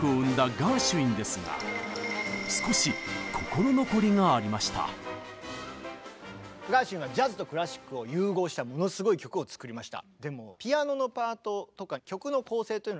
ガーシュウィンはジャズとクラシックを融合したものすごい曲を作りました。